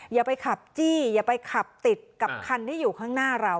อย่าไปขับจี้อย่าไปขับติดกับคันที่อยู่ข้างหน้าเรา